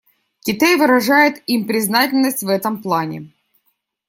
Китай выражает им признательность в этом плане.